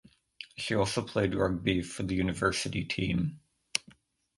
She also played rugby for the university team.